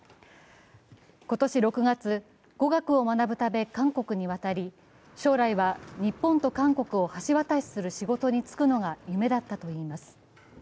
今年６月、語学を学ぶため韓国に渡り、将来は、日本と韓国を橋渡しする仕事に就くのが夢だったといいます。